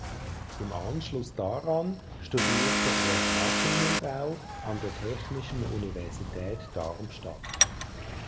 Im Anschluss daran studierte er Maschinenbau an der Technischen Universität Darmstadt.